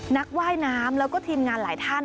ว่ายน้ำแล้วก็ทีมงานหลายท่าน